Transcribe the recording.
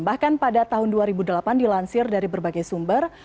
bahkan pada tahun dua ribu delapan dilansir dari berbagai sumber